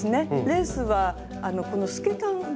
レースはこの透け感ですね。